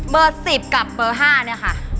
เบอร์สิบกับเบอร์ห้านี่ค่ะ